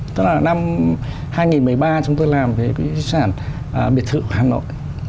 tức là năm hai nghìn một mươi ba chúng tôi làm cái quỹ di sản biệt thự hà nội